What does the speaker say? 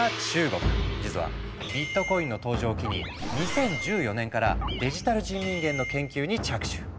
実はビットコインの登場を機に２０１４年からデジタル人民元の研究に着手。